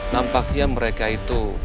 nampaknya mereka itu